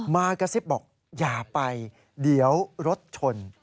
มากระซิบบอกอย่าไปเดี๋ยวรถชน